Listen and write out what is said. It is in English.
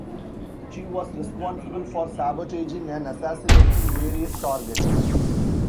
She was responsible for sabotaging and assassinating various targets.